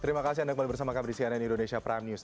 terima kasih anda kembali bersama kami di cnn indonesia prime news